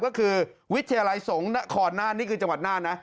ก็คือวิทยาลัยสงฆ์นครน่านนี่คือจังหวัดน่านนะ